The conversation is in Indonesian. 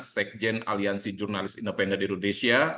sekjen aliansi jurnalis independen indonesia